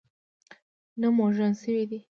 نه مډرن شوي دي.